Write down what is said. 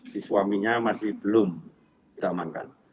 si suaminya masih belum kita amankan